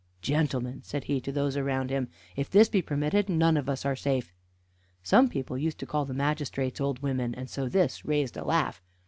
Gentlemen," said he to those around him, "if this be permitted none of us are safe." Some people used to call the magistrates old women, and so this raised a laugh.